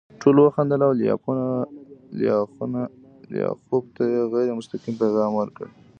ټولو وخندل او لیاخوف ته یې غیر مستقیم پیغام ورکړ